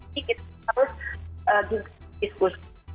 jadi kita harus berdiskusi